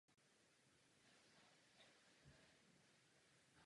Byl raněn do pravé ruky a konec války strávil ve Vídni.